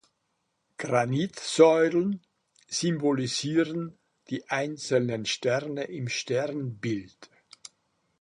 Granitsäulen symbolisieren die einzelnen Sterne im Sternbild.